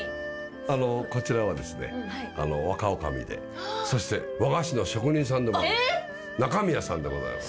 こちらは若女将でそして和菓子の職人さんでもある中宮さんでございます。